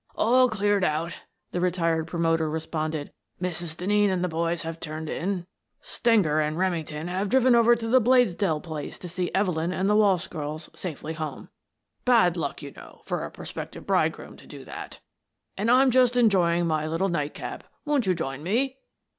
"All cleared out," the retired promoter re sponded. " Mrs. Denneen and the boys have turned in ; Stenger and Remington have driven over to the Bladesdell place to see Evelyn and the Walsh girls safely home — bad luck, you know, for a pro spective bridegroom to do that — and I'm just en joying my little night cap. Won't you join me?"